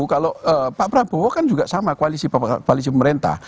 kalau pak prabowo kan juga sama koalisi pemerintah